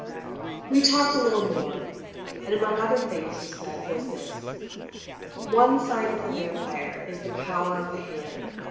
We talked a little more, and among other things he said was this: "One sign of the vampire is the power of the hand.